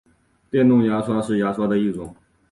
电动牙刷是牙刷的一种。